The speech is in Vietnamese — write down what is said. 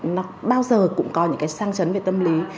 nó bao giờ cũng có những cái sang chấn về tâm lý